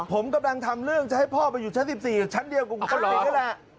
ผมกำลังทำเรื่องจะให้พ่อไปอยู่ชั้น๑๔อยู่ชั้นเดียวกับคุณทักษิณนี่แหละ